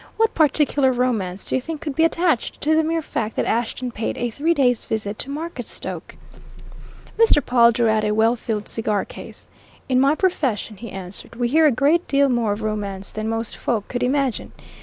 What particular romance, do you think, could be attached to the mere fact that Ashton paid a three days' visit to Marketstoke?" Mr. Pawle drew out a well filled cigar case. "In my profession," he answered, "we hear a great deal more of romance than most folk could imagine.